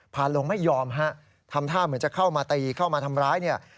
พาลงไม่ยอมฮะทำท่าเหมือนจะเข้ามาตีเข้ามาทำร้ายเนี่ย